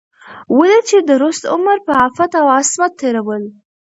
ولې چې درست عمر په عفت او عصمت تېرول